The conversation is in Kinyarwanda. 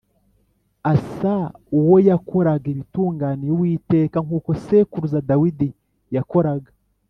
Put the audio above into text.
Asa uwo yakoraga ibitunganiye Uwiteka nk’uko sekuruza Dawidi yakoraga